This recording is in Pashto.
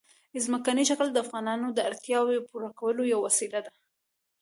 ځمکنی شکل د افغانانو د اړتیاوو د پوره کولو یوه وسیله ده.